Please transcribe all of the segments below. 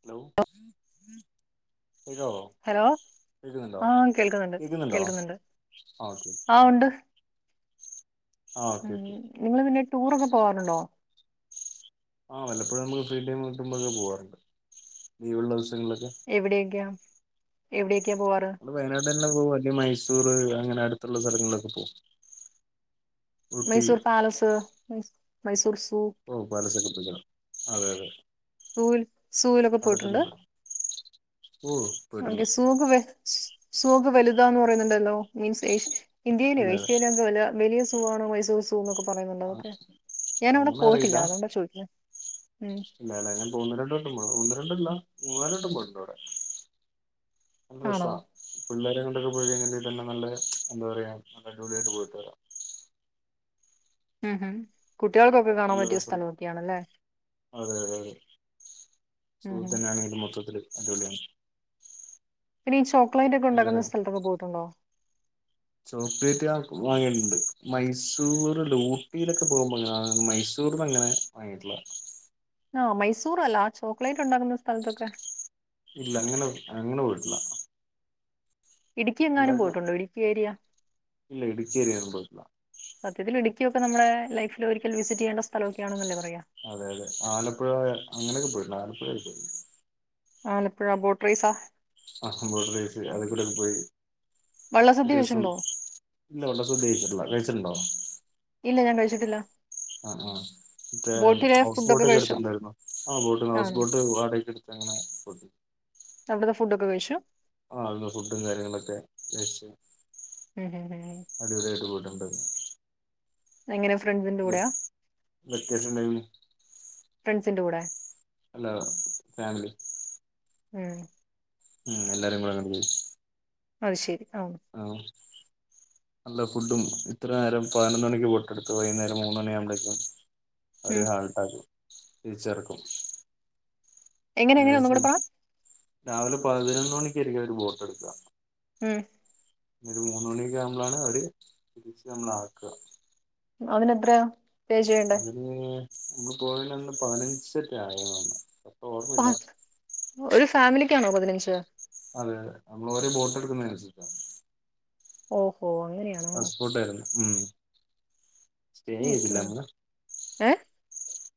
Hello തോ hello ആഹ് കേൾക്കുന്നുണ്ട് കേക്കുന്നുണ്ടോ കേൾക്കുന്നുണ്ട് ഓക്കെ ആഹ് ഉണ്ട് ഓക്കെ ആഹ് ഓക്കെ ഓക്കെ നിങ്ങള്ൾ പിന്നെ ടൂറൊക്കെ പോവാാറുണ്ടോ ആഹ് വല്ലപ്പോഴും നമുക്ക് ഫ്രീ ടൈം കിുമ്പോൊക്കെ പോകാറുണ്ട് ലീവള്ള ദിവസങ്ങളിലൊക്കെ എവിടേയ്ക്കാ എവിടേ യ്ക്കാ പോവാറ് വയനാട് തന്നെ പോകും അല്ല മൈസൂർ അങ്ങനെ അടുത്തുള്ള സ്ഥലങ്ങളിലൊക്കെ പോകും ഊട്ടി മൈസൂർ പാലസ് മൈസൂർ സൂ ഓ പാലസക്ക പൊയ്ക്കോ ണം അതെ അതെ സൂവിൽ സൂവിലൊക്കെ അവിടെക്കെ പോയിട്ടുണ്ട് ഒന്ന,, ഓ ക്കെ പോയിട്ടുണ്ട് സൂക്ക് വ സൂക്ക് വലുതാന്നു പറയുന്നുണ്ടല്ലോ മീൻസ് യേഷ് ഇന്ത്യയിലോ അതെ അതെ ഏഷ്യയിലുംക്കെ വല്ല വലിയ സൂ ആണോ മൈസൂർ സൂന്നൊക്കെ,, പറയുന്നുള്ള അതൊക്കെ അ- ഞാനവിടെ അങ്ങനെ പോയിട്ടില്ല അതുകൊണ്ട് ചോദക്കുന്നെ ഇല്ലലെ ഞാൻ പോകുന്ന രണ്ട് വട്ടം പോ ഒന്ന് രണ്ടല്ല മൂന്നാല വട്ടം പോയിട്ടണ്ട് അവടെ ആണോ സന്തോഷം പിള്ളോരെ കൊ ണ്ടൊക്കെ പോയി കഴിഞ്ഞാലേ നല്ല എന്താ പറയാ നല്ല ജോളി ആായിട്ട് പോയിട്ട് വരാം ഉം ഉം കുട്ടികൾക്കൊക്കെ കാണാൻ നല്ല പറ്റിയ രസം സ്ഥലം ഓക്കെയ ആണല്ലേ സുഹൃത്ത് തന്നൊണെങ്കിലും മൊത്തത്തില്ൽ അടിപൊളിയാണ് പിന്നെ ഈ ചോക്ലേറ്റ് ഒക്കെ ഉണ്ടാക്കുന്ന എല്ലാരും സ്ഥലത്തൊക്ക പോയിട്ടുണ്ടോ ചോക്ലേറ്റ് ഞാൻ വാങ്ങട്ടുണ്ട് മൈസൂർല് ഊട്ടിയിലൊക്കെ പോകുമ്പോ കാണാറ് മൈസു സുഹൃത്ത് അങ്ങനെ വാങ്ങിയിട്ടുള്ള ആഹ മൈസൂർല്ല ചോക്ലേറ്റ് ഉണ്ടാാക്കുന്ന സ്ഥലത്തൊക്കെ ഇല്ല അങ്ങനെ അങ്ങനെ പോയിട്ടില്ല ഇടുക്കി എങ്ങാനും ഉണ്ടാക്കണം പോയിട്ടുണ്ടോ ഇടുക്കി എരിയ ഇല്ല ഇടുക്കി ഏരിയയൊന്നും പോയിട്ടില്ല സത്യത്തിൽ ഇടുക്കിയൊക്കെ നമ്മുടെ ലൈഫിൽ ഒരിക്കൽ വിസിറ്റ് ചെയ്യേണ്ട സ്ഥലമൊക്കെ ആണെന്നല്ലേ പറയാ അതെ അതെ ആലപ്പുഴ അങ്ങനെയൊക്കെ പോയിട്ടുണ്ട് ആലപ്പുഴയേൽ പോയിേ ആലപ്പഴ ബോട്ടറീസാ ആ ബോട്ടാറീസ് അതി കൂടെൊക്കെ പോയി ഒരു വള്ളസദ്യ ദിവസം കഴിച്ചിട്ടുണ്ടോ ഇല്ല ഉണ്ട സവദേശിട്ടില്ല കഴിച്ചിട്ടുണ്ടോ [unintelligible] ഇല്ല ഞാൻ കഴിച്ചിട്ടില്ല ആഹ് ആഹ് മറ്റേ ബോട്ടിലെ ഹൗസ് ഫുഡൊക്കെ ബോട്ടൊക്കെ കഴിച്ചോ എടുത്തിട്ടുണ്ടായിരുന്നു ആ ബോട്ട് ഹൗസ് ആണ് ബോട്ട് വാടകയ്ക്ക് എടുത്ത്ങ്ങനെ പോയി അവിടുത്തെ ഫുഡ് ഒക്കെ കഴിച്ചു ആ അവിടുന്ന് ഫുഡും കാര്യങ്ങളൊക്കെ കഴിച്ചു ഉം ഉ ഉം അടിപൊളിയായിട്ട് പോയിട്ടുണ്ട് എങ്ങനെയ ഫ്രണ്ട്സിന്റെ കൂടെയാ വെക്കേഷൻ ടൈമില് ഫ്രണ്ട്സിന്റെറെ കൂടെ അല്ല ഫാമിലി ഉം ഉം എല്ലാരും കൂടെങ്ങ അത് ശരി ഓ ആഹ നല്ല ഫുഡും ഇത്ര നേരം പതിനൊന്ന് മണിക്ക് പോയിട്ട് ടുത്ത് വൈകുന്നേരം മൂന്ന് മണിയ ആകുമ്പഴേക്കും ഒരു ഉം ഹാൾട്ട് അക്ക് തിരിച്ചേർക്കും എങ്ങനെ എങ്ങനെ ഏകദേശ ഒന്നും കൂടെ പറ രാവിലെ പതിനൊന്ന് മണിക്കായിരിക്കും അവര് ബോട്ട് എടുക്കുക ഉം ഒരു മൂന്ന് മണിയൊക്കെ ആകുമ്പോാണ് അവര് തിരിച്ച് നമ്മള ആക്കുക അതിനെത്രയ പേ ചെയ്യണ്ടേ അതിന് നമ്മള് പോയന്ന് പതിനഞ്ചറ്റ ആയ പ ഒരു ഫാമിലിക്കാണോ പതിനഞ്ച് അതെ അതെ നമ്മള് ഒരേ ബോട്ട് എടുക്കുന്ന അനുസരിച്ച ഓഹോ അങ്ങനെയാണോ ഹൗസ്ബോട്ട് ആയിരുന്നു ഉ സ്റ്റേ ചെയ്തില്ല ഓക്കെ അങ്ങന ഏഹ്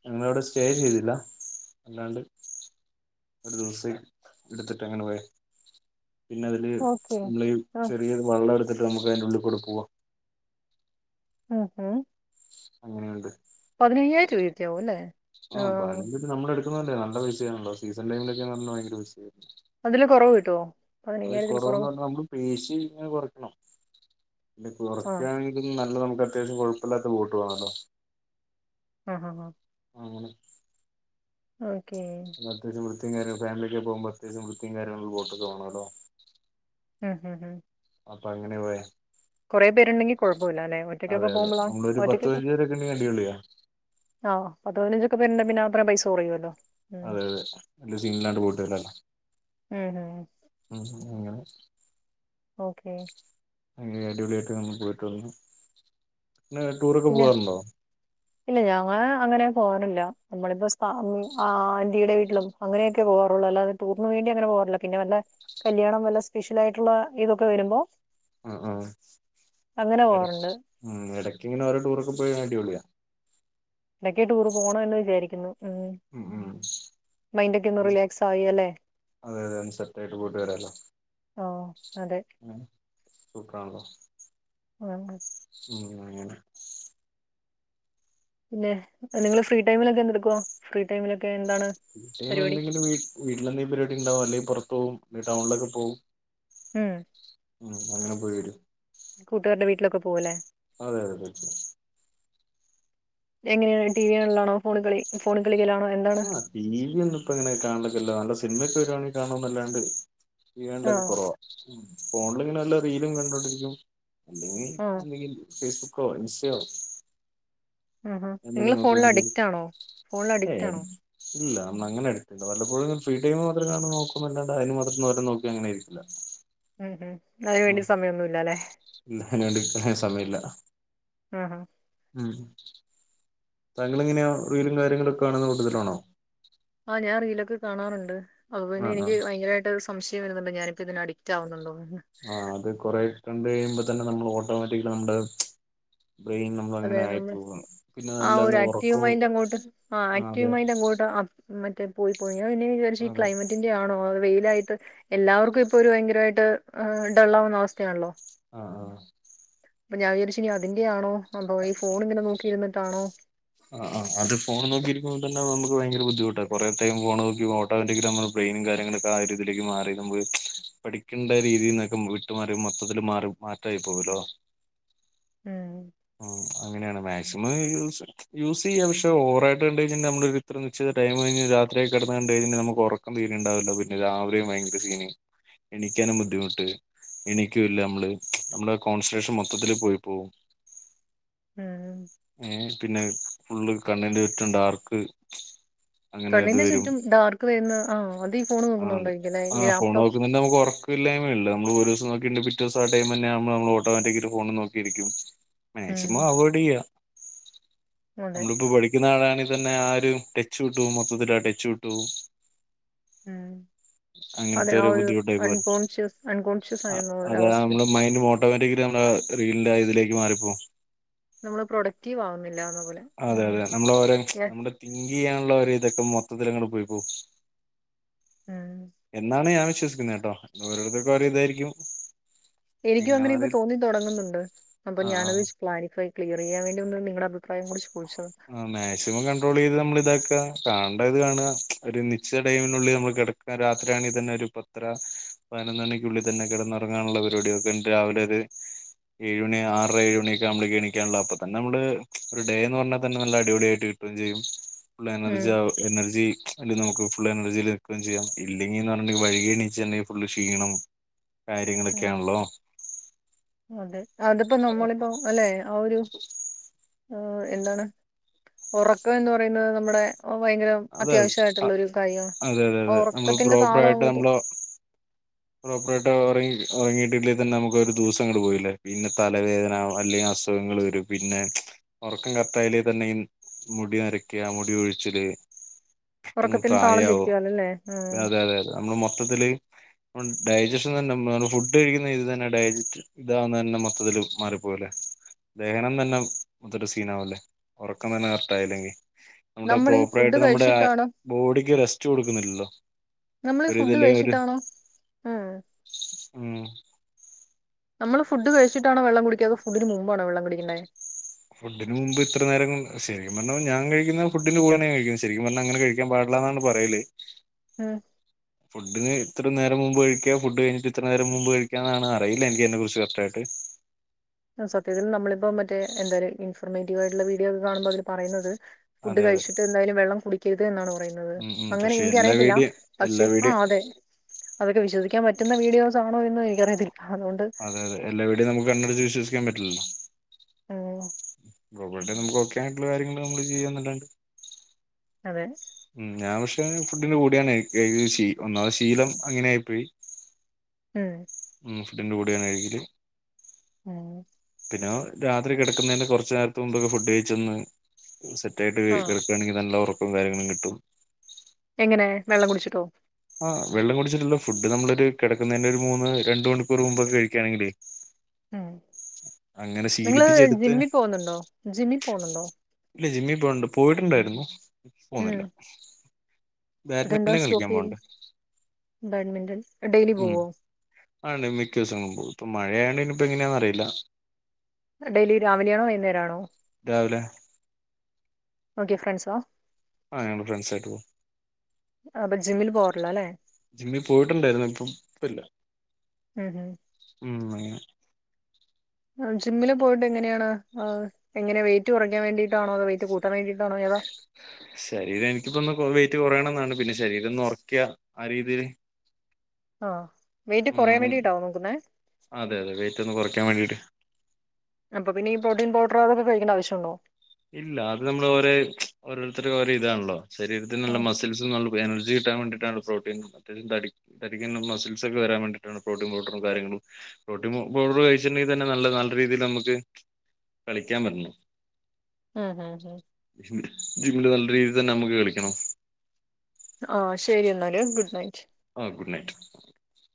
ഞങ്ങളവിടെ സ്റ്റേ ചെയ്തില്ല അല്ലാണ്ട് ഒരു ദിവസം എടുത്തിട്ട് അങ്ങനെ പോയ പിന്നെ അതില് ഓക്കെ നമ്മള് ആഹ് ചെറിയ വള്ളം എടുത്തിട്ട് നമുക്ക് അതിറെ ഉള്ളിൽ കൂടെ പോവാം ഉം ഉം അങ്ങനെയുണ്ട് പതിനയ്യായിരം രൂപയൊക്കെയാവും അല്ലേ ആഹ് പതിനഞ്ച് നമ്മള എടുക്കുന്നന്നണ്ടേ നല്ല പൈസ ആണല്ലോ സീസൺ ടൈമൊക്കാ പറ ഭയങ്കര പൈസ ആയിരുന്നു അതില് കുറവ് കിട്ടോ അത് ൽ കുറവന്ന് കൊറവ് പറഞ്ഞ നമ്മള് പേശി ഇങ്ങനെ കുറയ്ക്കണം പി ആഹ്. കുറക്കാണെ നല്ല നമുക്ക് അത്യാവശ്യം കുഴപ്പമില്ലാത്ത ബോട്ട് വേണൂല്ലോ ആഹ അങ്ങനെ ഓക്കേ അത്യാശ്യ വൃത്തിയും കാരാങ്ങളും ഫമിലൊക്കെ പോക്മ്പോ അത്യാവശ്യം വൃത്തിയും കാര്യങ്ങളുള്ള ബോട്ടൊക്കെ വേണം ടോ. ഉം ഹം ഹം അപ്പൊ അങ്ങനെ പോയ. കുറെ പേരുണ്ടെങ്കി കൊഴപ്പമില്ല അല്ലെ അതെ ഒറ്റക്കൊക്കെ അതെ പോകുമ്പോളാ നമ്മളൊരു പത്ത് ഒറ്റക്കൊക്കെ. പതിനഞ്ച് പേരൊക്കെ ഉണ്ടെങ്കിൽ അടിപൊളിയാ ആ പത്ത് പതിനഞ്ചൊക്കെ പേരു പിന്നെ അത്ര പൈസ കുറയല്ലോ അതെ അതെ വല്ലാ സീനില്ലാണ്ട് പോയിട്ട് വരല്ലോ ഉം ഉം. അങ്ങനെ. ഓക്കെ അ അടിപൊളിയായിട്ട്ന്ന് പോയിട്ട് വന്ന് ടൂറൊക്കെ പിന്നെ പോവാറുണ്ടോ. ഇല്ല ഞങ്ങള് അങ്ങനെ പോവാറില്ല നമ്മളിപ്പോ ആന്റിടെ വീട്ടിലും. അങ്ങനെയക്കെ പോകാറുള്ളൂ അല്ലാതെ ടൂറിന് വേണ്ടി അങ്ങനെ പോവാറില്ല പിന്ന വല്ല. കല്യാണം വല്ല സ്പെഷ്യൽ ആയിട്ടുള്ള ഇതൊക്കെ വരുമ്പോ. ആ ആ അങ്ങനെ പോവാറുണ്ട്. ഇടക് ഇങ്ങനെ ഓരോ ടൂറൊക്കെ പോയ അടിപൊളിയ. ഇടക്കൊക്കെ ടൂർ പോണം എന്ന് വിചാരിക്കുന്നു ഉം ഉം മൈൻഡക്കെ ഒന്ന് റിലാക്സ് ആയി അല്ല. അതെ അതെ അത് സെറ്റ് ആയിട്ട് പോയിട്ട് വരാല്ലോ. ആ അതെ ഉ സൂപ്പറാണല്ലോ. ആഹ് ഉം അങ്ങനെ പിന്നെ നിങ്ങള് ഫ്രീ ടൈമിലൊക്കെ എന്തെടുക്കുവാ ഫ്രീ ടൈമിലൊക്കെ എന്താണ് ഫ്രീ ടൈം പരിപാടി. എന്തെങ്കിലും വീ വീട്ടിലെന്തെങ്കിലും പരിപാടി ഉണ്ടാവും അല്ലെങ്കിൽ പുറത്ത് പോകും ടൗണിലൊക്കെ പോവും. ഉം ഉം അങ്ങനെ പോയി വരും. കൂട്ടുകാരുടെ വീട്ടിലൊക്കെ പോകൂലേ. അതെ അതെ പോയിട്ടു വരും എങ്ങനെയാണ് ടി വി കാണലാണോ ഫോണി കളിക്കലാണോ. എന്താണ് ആഹ് ടി വി ഒന്നും ഇപ്പൊ അങ്ങനെ കാണലില്ല നല്ല സിനിമയൊക്കെ വരുവാണെങ്കിൽ കാണോന്നല്ലാണ്ട്. ടി വി ആ കാണലൊക്കെ കുറവാ ഫോണിലിങ്ങനെ വല്ല റീലും കണ്ടോണ്ടിരിക്കും. അല്ലെങ്കിൽ ആ ഒന്നെങ്കിൽ ഫേസ്ബുക്കോ ഇൻസ്റ്റയോ. ആഹ് ഹാ നിങ്ങള് എന്തെങ്കിലും ഫോണിൽ നോക്കിയാണെങ്കില് അഡിക്റ്റ് ആണോ ഫോണിൽ അഡിക്റ്റ് ഏ ആണോ. ഇല്ല നമ്മള് അങ്ങനെ അടിറ്റല്ല വല്ലപ്പോഴും ഫ്രീ ടൈമ് മാത്രം കാണു നോക്കുന്നല്ലാണ്ട് അതിന് മാത്രം വരെ നോക്കി അങ്ങനെയിരിക്കില്ല. ഉം ഉം അ ആഹ് അയിന് വേണ്ടിനിക്കാൻ സമയമില്ല. ആ ഹാ ഉം താങ്കളെങ്ങനെയാ റീലും കാര്യങ്ങളൊക്കെ കാണുന്ന കൂട്ടത്തിലാണോ. ആഹ് ഞാൻ റീലൊക്കെ കാണാറുണ്ട് അപ്പൊപ്പിന്നെ ആഹ് എനിക്ക് ആഹ് ഭയങ്കരമായിട്ട്. സംശയം വരുന്നുണ്ട് ഞാനിപ്പോ ഇതിന് അഡിക്റ്റ് ആവുന്നുണ്ടോ എന്ന് ആഹ് അത് കുറെ കണ്ട് കഴിയുമ്പോ തന്നെ നമ്മള് ഓട്ടോമാറ്റിക് നമ്മുടെ ബ്രെയിൻ. നമ്മൾ അതെ അങ്ങനെ ആയി നമ്മൾ പോവാണ് പിന്നെ ആഹ് ഒരു അല്ലാണ്ട് ആക്റ്റീവ് ഉറക്കവും മൈൻഡ് അങ്ങോട്ട് ആഹ് ആക്റ്റീവ് മൈൻഡ് അങ്ങോട്ട് ആഹ് മറ്റേ പോയി പ്പോയി പിന്നെ വിചാരിച്ച് ഈ അതെ ക്ലൈമറ്റിന്റെ ആണോ വെയിലായി ട്ട് എല്ലാവർക്കും ഇപ്പൊ ഒരു ഭയങ്കരമായിട്ട് ഡള്ളാവുന്ന അവസ്ഥയാണല്ലോ. ആഹ് ആഹ്. അപ്പൊ ഞാൻ വിചാരിച്ചു ഇനി അതിന്റെയാണോ അതൊ ഈ ഫോൺ ഇങ്ങനെ നോക്കിയിരിന്നിട്ടാണോ. ആഹ് ആഹ് അത് ഫോണ് നോക്കിയിരിക്കുമ്പോ തന്നെ നമുക്ക് ഭയങ്കര ബുദ്ധിമുട്ടാ കുറേത്തേ ഫോൺ നോക്കിട്ട. ബ്രയ്നും കാര്യങ്ങളൊക്കെ ആഹ് രീതിയിലേക്ക് മാറി നമ്മള് പഠിക്കണ്ട രീതിയിൽന്നൊക്കെ വി ട്ട് മാറി മൊത്തത്തില് മാറി മാറ്റായി പോകൂല്ലോ. ഉം ഉം അങ്ങനെയാണ് മാക്സിമം യൂസ്. യൂസ് ചെയ്യാം പക്ഷെ ഓവറായി കണ്ടഴിഞ്ഞ നമ്മള് ഇത്ര നിശ്ചിതടൈം കഴിഞ്ഞ് രാത്രിയൊക്ക കെടന്ന് കണ്ട് കഴിഞ്ഞാ നമുക്ക് ഒറ ക്കം തീരെ ഉണ്ടാവില്ല പിന്നെ രാവിലെയും ഭയങ്കര സീന് എണീക്കാനും ബുദ്ധിമുട്ട്. എണിക്കൂല്ല നമ്മള് നമ്മളെ കോൺസ്ൻട്രേഷൻ മൊത്തത്തില് പോയി പോവും ഉംഹ് ഉം പിന്നെ ഫുള്ള് കണ്ണിന്റെ ചുറ്റും ഡാർക്ക് അങ്ങനെ ഇത് കണ്ണിന്റെ വരും ചുറ്റും ഡാർക്ക് വരുന്ന ആഹ് അതീ ആഹ് അതേ ആഹ് ഫോൺ നോക്കുന്ന നമുക്ക് ഉറ ക്കവില്ലായ്മ അല്ല നമ്മള് ഒരു ദിവസം നോക്കിണ്ട് പിറ്റേസം ആഹ് ടൈം തന്നെ ആകുമ്പോ നമ്മള് ഓട്ടോമാറ്റിക്കിലി ഫോണും നോക്കിയിരിക്കും ഉം മാക്സിമം അവോയ്ഡ് ചെയ്യാ അതെ നമ്മളിപ്പോ പഠിക്കുന്ന ആളാണെങ്കിൽ തന്നെ ആഹ് ഒരു ടച്ച് വിട്ട് പോകും മൊത്തത്തില് ആഹ് ടച്ച് വിട്ട്പോകും ഉം അതെ അങ്ങനത്തെ ആഹ് ഒരു ബുദ്ധിമുട്ടായി പോവും അൺകോൺഷ്യസ് അൺകോൺഷ്യസ് ആയ പോലൊരു അവസ്ഥയാ [unintelligible] ഓട്ടോമാറ്റിക്കിലി നമ്മളാ റീലിന്റെ ആഹ് ഇതിലേക്ക് മാറിപ്പോകും നമ്മള് പ്രൊഡക്റ്റീവ് ആവുന്നില്ലാന്ന് ആഹ് അതെ അതെ നമ്മളെ ഓരോ നമ്മുടെ തിങ്ക് ചെയ്യാനുള്ളോവരെ ഇതൊക്കെ മൊത്തത്തിലങ്ങട് പോയി പോവും ഉം എന്നാണ് ഞാൻ വിശ്വസിക്കുന്നേ കേട്ടോ ഇനി ഓരോരുത്തക്ക് ഓരോ ഇതായിരിക്കും എനിക്കും അങ്ങനെ എങ്ങനെയാന്ന് ഇപ്പോ അറിയില്ല തോന്നി തുടങ്ങുന്നുണ്ട് അപ്പൊ ആഹ് ആഹ് ഞാനത് ക്ലാരിഫൈ ക്ലിയർ ചെയ്യാൻ വേണ്ടി ഒന്ന് നിങ്ങളുടെ അഭി പ്രായം കൂടി ചോയിച്ചതാ ആഹ് മാക്സിമം കൺട്രോൾ ചെയ്ത് നമ്മള് ഇതാക്കുക കാണണ്ടത് കാണുക ഒരു നിശ്ചിത ടൈമിനുള്ളിൽ നമ്മൾ കിട ക്കുക രാത്രിയാണെതന്നെ ഒരു പത്തര പതിനൊന്ന്മണിക്കുള്ളിൽ തന്നെ കിടന്നുറങ്ങാനുള്ള പരിപാടിനോക്കുക എന്നിട്ട് രാവിലെ ഒരു ഏഴുമണി ആറരഏഴു മണിയൊക്കെ ആകുമ്പോളേക്ക് എണീക്കാനുള്ള അപ്പതന്നെ നമ്മള് ഒരു ഡേഎന്ന് പറഞ്ഞാൽ തന്നെ നല്ല അടിപൊളിയായിട്ട് കിട്ടൂം ചെയ്യും. ഫുള്ള് ഉം എനർജി എനർജി അയ്ല് നമുക്ക് ഫുൾ എനർജില് നിൽക്കുകേ ചെയ്യാം ഇല്ലെങ്കിൽ [unintelligible] വൈകി എണീച്ചുണ്ടെങ്കിൽ ഫുള്ള്ക്ഷീണം അതെ അതിപൊ നമ്മളിപ്പോ അല്ലെ ആ ഒരു എന്താണ് ഒറക്കംഎന്ന്പറയുന്നത് നമ്മുടെ ഭയങ്കര അതെ അത്യാവശ്യമായിട്ടുള്ള അതെ ഒരുകാര്യാണ്. അതെ അതെ നമ്മള് ഒറക്കത്തിന്റെ താളൊങ്ങോട്ട് പ്രോപ്പെട്ടാ ഒറങ്ങി ഉറങ്ങിയിട്ടില്ലേതന്നെ നമുക്ക്ഒരു ദ്വവസങ്ങട്ട് പോവില്ലേ. പിന്നെ തലവേദന അല്ലെങ്കി അസുഖങ്ങള് വരും. പിന്നെ ഒറക്കം കറക്റ്റയില്ലെ തന്നെ ഇൻ മുടിനരക്കാ മുടികൊഴിച്ചില് ഉറക്കത്തിന്റെ താളം പെട്ടെന്ന്പ്രായാവും തെറ്റിയാലല്ലേ ഉം അതെഅതെ നമ്മള്മൊത്തത്തില്. ഡയജഷ്യൻതന്നെ നമ്മ ഫുഡ് കഴിക്കുന്ന ഇത് തന്നെ ഡയറ്റ് [unintelligible] ഇതാവുന്നതന്നെ മൊത്തത്തില് മാറിപ്പോവില്ലേ ദഹനംതന്നെ മൊത്തത്തിൽ സീനാവുല്ലേ. ഒറക്കംതന്നെ കറക്റ്റായില്ലെങ്കി. നമ്മുടെ നമ്മൾ ഈ ഫുഡ് പ്രോപ്പറായിട്ട് നമ്മുടെ കഴിച്ചിട്ടാണോ ബോഡിക്ക്റെസ്റ്റ് കൊടുക്കുന്നില്ലല്ലോ. നമ്മള് ഒരു ഫുഡ് ഇതില്ലേ ഒരു കഴിച്ചിട്ടാണോ? ആഹ് ഉം നമ്മള് ഫുഡ്‌ കഴിച്ചിട്ടാണോ വെള്ളം കുടിക്കാെ അതോ ഫുഡിന് മുമ്പാണോ വെള്ളം കുടിക്കെണ്ടേ? ഫുഡിന് മുമ്പ് ഇത്രനേരം ശരിക്കും പറഞ്ഞ ഞാൻ കഴിക്കുന്ന ഫുഡിന്റെ കൂടെന്നെ കഴിക്കും. ശരിക്കുംപറഞാ അങ്ങനെകഴിക്ക ക്കാൻ പാടില്ലാന്നാണ് പറയല്. ഉം ഫുഡിന് ഇത്രനേരം മുമ്പ്കഴിക്ക ഫുഡ് കഴിഞ്ഞിട്ട് ഇത്രനേരം മുൻമ്പ് കഴിക്കാ ഇന്നാണ് അറിയില്ല എനിക്കിതിനെ കുറിച്ച് കറക്റ്റായിട്ട്. സത്യത്തിൽ നമ്മളിപ്പം മറ്റെ എന്താര് ഇൻഫോർമേറ്റീവയിട്ട്ള്ള വീഡിയോക്കെ കാണുമ്പോ അതിൽ പറയുന്നത്. അതെ അതെ ഫുഡ്കഴിച്ചിട്ടേ എന്തായാലും വെള്ളം കുടിക്കരുത് എന്നാണോ? പറയുന്നത്. ഉം ഉം അങ്ങനെ പക്ഷെ എല്ലാ എനിക്കറിയത്തില്ല വീഡിയോ എല്ലാ പക്ഷെ വീഡിയോ ആഹ്അതെ. അതൊക്കെവിശ്വിക്കാൻപറ്റുന്ന വീഡിയോസാണോ എന്ന് എനിക്കറിയത്തില്ല അതുകൊണ്ട്. അതെഅതെ എല്ലാ വിഡിയോ നമുക്ക് കണ്ണടച്ച് വിശ്വസിക്കാൻ പറ്റില്ലല്ലോ. ആഹ് [unintelligible] നമുക്ക ഒക്കെ ആയിട്ടുള്ള കാര്യങ്ങള് നമ്മള് ചെയ്യന്നാല്ലാണ്ട്. അതെ ഉം ഞാൻ പക്ഷെ ഫുഡിന്റെ കൂടിയാണേ ശീ ഒന്നാമത് ശീലം അങ്ങനെ ആയിപ്പോയി. ഉം ഉം ഫുഡിന്റൂടെ ആണ് കഴിക്കല്. ഉം ഞാ രാത്രി കെടക്കുന്നേന്റെ കൊറച്ച് നേരത്തെ മുമ്പൊക്കെ ഫുഡ് കഴിച്ചൊന്ന് സെറ്റ് ആയിട്ട് ആ കെട ക്കാണെങ്കി നല്ല ഒറക്കും കാര്യങ്ങളും കിട്ടും. എങ്ങനെ വെള്ളം കുടിച്ചിട്ടോ. ആഹ് വെള്ളം കുടിച്ചിട്ട്ള്ള ഫുഡ് നമ്മളൊരു കെടക്കുന്നേന്റെ ഒരു മൂന്ന് രണ്ട് മണിക്കൂർ മുമ്പൊക്കെ കഴിക്കാണെങ്കിലേ. ഉം നിങ്ങള് ശീലിപ്പിച്ചെടുത്ത് ജിമ്മി പോവ്ന്നുണ്ടോ ജിമ്മിൽ പോവുന്നുണ്ടോ? ഇല്ല ജിമ്മിപോണ്ട് പോയിട്ടുണ്ടായിരുന്നു ഉം ഇപ്പോണില്ല. ബാഡ്മാന്റല് കളിക്കാൻ പോവ്ണ് ഇണ്ട് ബാൺമിന്റൺ ഡെയിലി ഉം പോവോ ആണ് മിക്കോസങ്ങ് പോവും. ഇപ്പൊ മഴആയോണ്ട് ഇനിപ്പോ എങ്ങനെയാന്ന് അറിയില്ല. ഡെയ്‌ലി രാവിലെ ആണോ വൈന്നേരാ ണോ രാവിലെ ഓക്കെ ഫ്രണ്ട്സോ ആഹ് ഞങ്ങള് ഫ്രണ്ട്സായിട്ട് പോവും. അപ്പൊ ജിമ്മിൽ പോവാറില്ല അല്ലേ ജിമ്മി പോയിറ്റുണ്ടായിരുന്നു ഇപ്പോ ഇപ്പ ഇല്ല. ഉം ഉം ഉം അങ്ങനെ ആഹ് ജിമ്മില് പോയിട്ട് എങ്ങനെയാണ് അഹ്. എങ്ങനെ വെയ്റ്റ് കൊറക്കാൻ വേണ്ടീട്ടാണോ അതോ വെയിറ്റ് കൂട്ടാൻ വേണ്ടിട്ടാണോ ഏതാ. ശരീരം ഇൻക്കിപ്പം ഒന്ന് വെയിറ്റ് കൊറയണം എന്നാണ്. പിന്നെ ശരീരം ഒന്ന് ഒറ്ക്ക്യആ രീതില്. ഓഹ് വെയിറ്റ് കൊറയാൻ അങ്ങനെ വേണ്ടിട്ടാവോ നോക്കുന്നേ അതെ അത വെയ്റ്റ് ഒന്ന് കൊറക്കൻ വേണ്ടീട്ട് അപ്പ പിന്നെ ഈ പ്രോട്ടീൻ പൗഡ്റോ അതൊക്കെ കഴിക്കണ്ട ആവശ്യണ്ടോ ഇല്ല അത് നമ്മള് ഓരേ ഓരോരുത്തര് ഓരോ ഇതാണല്ലോ ശരീരത്തിന് നല്ല ആഹ് മസ് ടിൽസിന്നു പറയണ ഒരു എനർജി കിട്ടാൻ വേണ്ടിട്ടാണല്ലോ പ്രോട്ടീൻ തിൽ തടി തടിക്കുന്ന മസിൽസ് ഒക്കെ വരാൻ വേണ്ടിട്ടാണ് പ്രോട്ടീൻ പൗഡറും കാര്യങ്ങളും പ്രോട്ടീൻ മൊ പൗഡറ് കഴിച്ചിണ്ടെങ്കി തന്നെ നല്ല നല്ല രീതീല് നമുക്ക് കളിക്കാൻ പറ്റണം ആഹ് ആഹ് ഹേ ജിമ്മില് നല്ല രീതിൽ തന്നെ നമ്മുക്ക് കളിക്കണം ആഹ് ശരി എന്നാല് ഗുഡ് നൈറ്റ് ആഹ് ഗുഡ് നൈറ്റ്